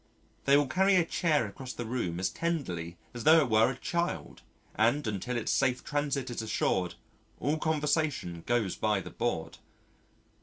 They will carry a chair across the room as tenderly as tho' it were a child and until its safe transit is assured, all conversation goes by the board.